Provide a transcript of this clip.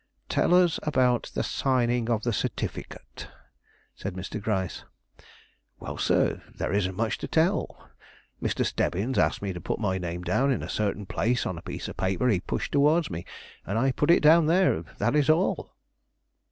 "Tell us about the signing of the certificate," said Mr. Gryce. "Well, sir, there isn't much to tell. Mr. Stebbins asked me to put my name down in a certain place on a piece of paper he pushed towards me, and I put it down there; that is all."